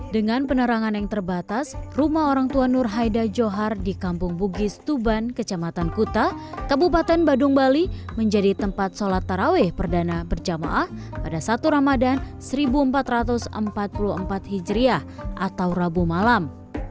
dengan penerangan yang terbatas rumah orang tua nur haida johar di kampung bugis tuban kecamatan kuta kabupaten badung bali menjadi tempat sholat taraweh perdana berjamaah pada satu ramadan seribu empat ratus empat puluh empat hijriah atau rabu malam